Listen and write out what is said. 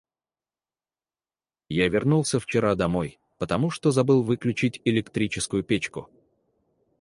Я вернулся вчера домой, потому что забыл выключить электрическую печку.